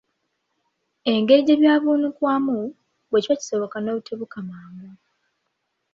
Engeri gye byavuunukwamu, bwe kiba kisoboka n’obitebuka mangu.